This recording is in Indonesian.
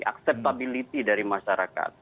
acceptability dari masyarakat